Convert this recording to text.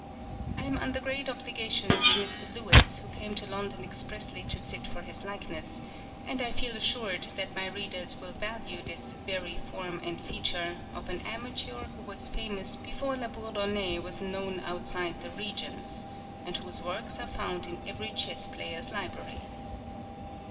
I am under great obligations to Mr. Lewis, who came to London expressly to sit for his likeness; and I feel assured that my readers will value this "very form and feature" of an amateur who was famous before Labourdonnais was known outside the Régence; and whose works are found in every chess player's library.